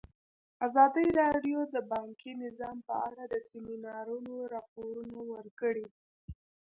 ازادي راډیو د بانکي نظام په اړه د سیمینارونو راپورونه ورکړي.